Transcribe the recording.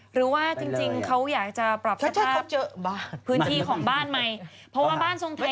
หรือว่าจริงเขาอยากจะปรับสภาพพื้นที่ของบ้านใหม่เพราะว่าบ้านทรงไทย